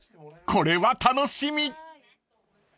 ［これは楽しみ］